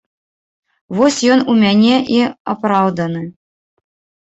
Вось ён у мяне і апраўданы.